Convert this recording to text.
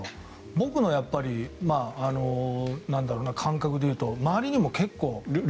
僕の感覚でいうと周りにも結構。